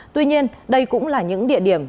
tuy nhiên đây cũng là những địa điểm